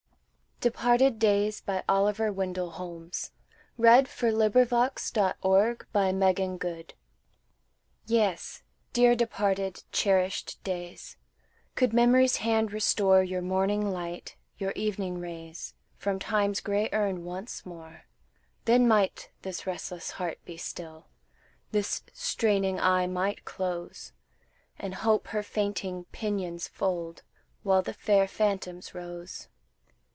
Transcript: he wood, And follow through his green retreats Your noble Robin Hood. DEPARTED DAYS YES, dear departed, cherished days, Could Memory's hand restore Your morning light, your evening rays, From Time's gray urn once more, Then might this restless heart be still, This straining eye might close, And Hope her fainting pinions fold, While the fair phantoms rose.